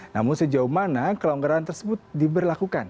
namun sejauh mana kelonggaran tersebut diberlakukan